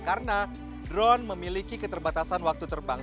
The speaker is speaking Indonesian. karena drone memiliki keterbatasan waktu terbang